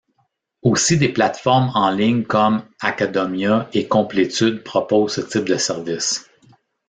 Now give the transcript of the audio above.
Aussi des plateformes en ligne comme Acadomia et Complétude proposent ce type de service.